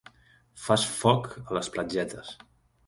Fas foc a les platgetes.